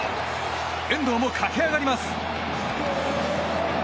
遠藤も駆け上がります。